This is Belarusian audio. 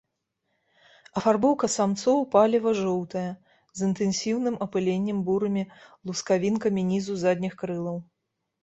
Афарбоўка самцоў палева-жоўтая, з інтэнсіўным апыленнем бурымі лускавінкамі нізу задніх крылаў.